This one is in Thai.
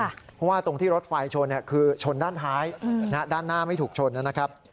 เพราะว่าตรงที่รถไฟชนคือชนด้านท้ายด้านหน้าไม่ถูกชนนะครับ